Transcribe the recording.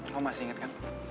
kamu masih inget kan